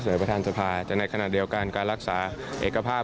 ประธานสภาแต่ในขณะเดียวกันการรักษาเอกภาพ